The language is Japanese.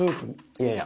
いやいや。